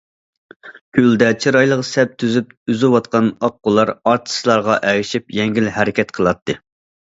كۆلدە چىرايلىق سەپ تۈزۈپ ئۈزۈۋاتقان ئاق قۇلار ئارتىسلارغا ئەگىشىپ يەڭگىل ھەرىكەت قىلاتتى.